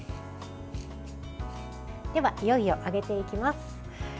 では、いよいよ揚げていきます。